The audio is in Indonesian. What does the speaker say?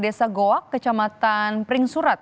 desa goa kecamatan pringsurat